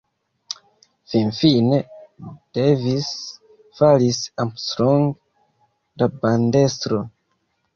Finfine, Davis faris Armstrong la bandestro.